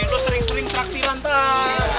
lo sering sering traktir lantai